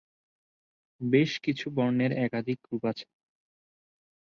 বেশ কিছু বর্ণের একাধিক রূপ আছে।